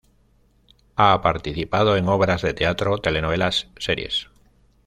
Ha participado en obras de teatro, telenovelas, series.